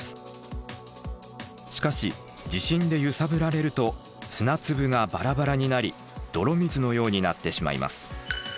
しかし地震で揺さぶられると砂粒がバラバラになり泥水のようになってしまいます。